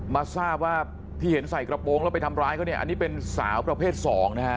มาทราบว่าที่เห็นใส่กระโปรงแล้วไปทำร้ายเขาเนี่ยอันนี้เป็นสาวประเภท๒นะฮะ